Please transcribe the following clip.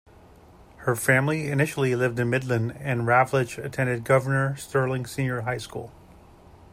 Her family initially lived in Midland, and Ravlich attended Governor Stirling Senior High School.